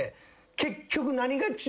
結局。